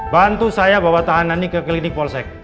bantu saya bawa tahanan ini ke klinik polsek